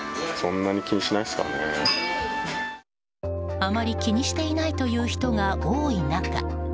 あまり気にしていないという人が多い中